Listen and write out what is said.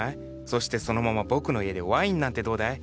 そしてそのまま僕の家でワインなんてどうだい？